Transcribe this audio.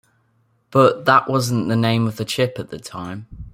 But that wasn't the name of the chip at the time.